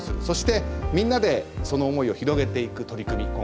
そしてみんなでその思いを広げていく取り組み